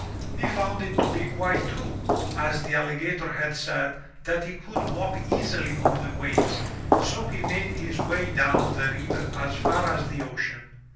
He found it to be quite tme, as the alligator had said, that he could walk easily on the waves, so he made his way down the river as far as the ocean.